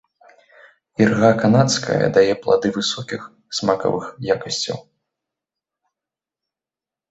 Ірга канадская дае плады высокіх смакавых якасцяў.